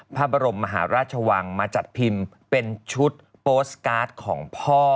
พระบรมมหาราชวังมาจัดพิมพ์เป็นชุดโปสตการ์ดของพ่อ